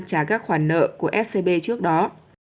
trả các khoản nợ của scb trước đó